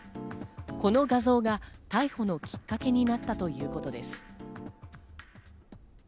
この画像が逮捕のきっかけになったということです。